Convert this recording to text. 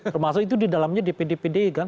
termasuk itu di dalamnya dpd pdi kan